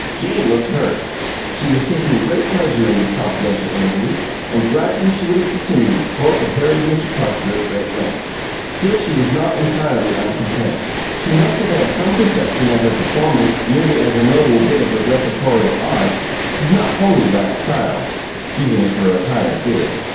Jane looked hurt; she was taking great pleasure in this confidential interview, and gladly would have continued to quote the harried Mr. Parcher at great length. Still, she was not entirely uncontent: she must have had some perception that her performance merely as a notable bit of reportorial art did not wholly lack style, even if her attire did.